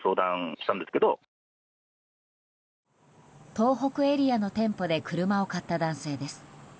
東北エリアの店舗で車を買った男性です。